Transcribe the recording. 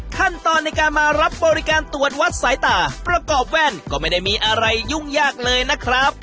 ขั้นตอนในการมารับบริการตรวจวัดสายตาประกอบแว่นก็ไม่ได้มีอะไรยุ่งยากเลยนะครับ